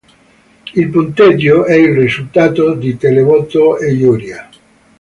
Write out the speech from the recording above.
Il punteggio è il risultato di televoto e giuria.